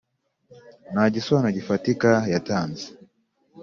Nta gisobanuro gifatika yatanze.